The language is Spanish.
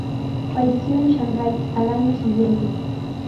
Falleció en Shanghái al año siguiente.